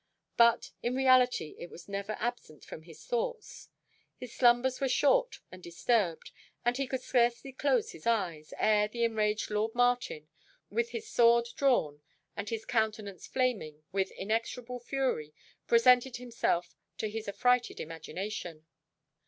But in reality it was never absent from his thoughts. His slumbers were short and disturbed. And he could scarcely close his eyes, ere the enraged lord Martin, with his sword drawn, and his countenance flaming with inexorable fury, presented himself to his affrighted imagination.